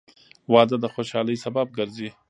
• واده د خوشحالۍ سبب ګرځي.